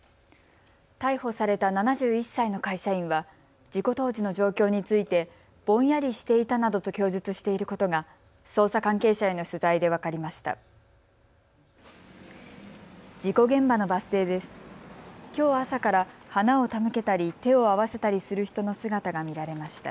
逮捕された７１歳の会社員は事故当時の状況についてぼんやりしていたなどと供述していることが捜査関係者への取材で分かりました。